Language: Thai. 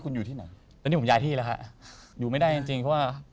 คุณอยู่ที่ไหนตอนนี้ผมย้ายที่แล้วฮะอยู่ไม่ได้จริงจริงเพราะว่า